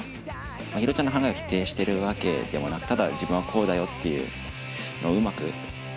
まひろちゃんの話を否定してるわけでもなくただ自分はこうだよっていうのをうまく伝えられなかったのかなと思って。